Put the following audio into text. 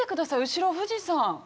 後ろ富士山。